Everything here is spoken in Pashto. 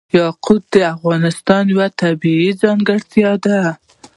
یاقوت د افغانستان یوه طبیعي ځانګړتیا ده.